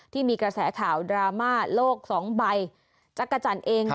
ที่มีกระแสข่าวดราม่าโลกสองใบจักรจันทร์เอง